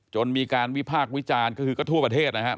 จนมีการวิพากษ์วิจารณ์ก็คือก็ทั่วประเทศนะครับ